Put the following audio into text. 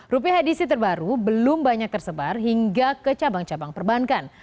rupiah edisi terbaru belum banyak tersebar hingga ke cabang cabang perbankan